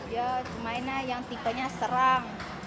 ya cuma yang tipenya serang